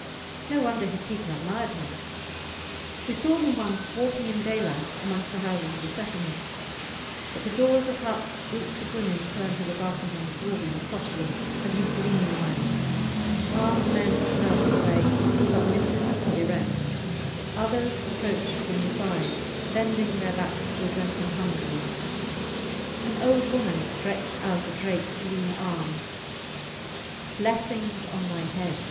No wonder his people admired him. We saw him once walking in daylight amongst the houses of the settlement. At the doors of huts groups of women turned to look after him, warbling softly, and with gleaming eyes; armed men stood out of the way, submissive and erect; others approached from the side, bending their backs to address him humbly; an old woman stretched out a draped lean arm Blessings on thy head!